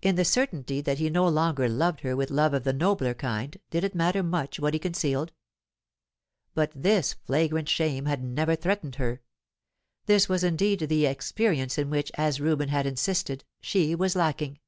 In the certainty that he no longer loved her with love of the nobler kind, did it matter much what he concealed? But this flagrant shame had never threatened her. This was indeed the "experience" in which, as Reuben had insisted, she was lacking.